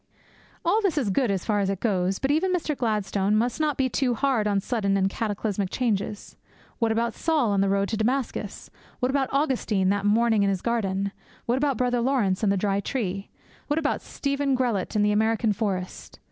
All this is good, as far as it goes. But even Mr. Gladstone must not be too hard on sudden and cataclysmic changes. What about Saul on the road to Damascus? What about Augustine that morning in his garden? What about Brother Laurence and the dry tree? What about Stephen Grellet in the American forest?